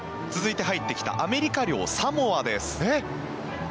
続いて入ってきたアメリカ領サモアです。